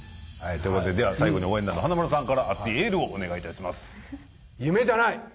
という事ででは最後に応援団の華丸さんから熱いエールをお願い致します。